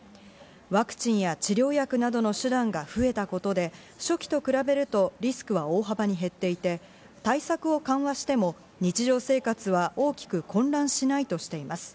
ワクチンや治療薬などの手段が増えたことで、初期と比べるとリスクは大幅に減っていて、対策を緩和しても日常生活は大きく混乱しないとしています。